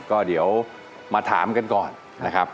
ก็เดี๋ยวมาถามกันก่อนนะครับ